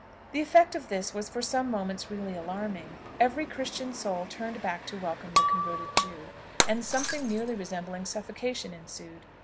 The effect of this was for some moments really alarming; every Christian soul turned back to welcome the converted Jew, and something nearly resembling suffocation ensued.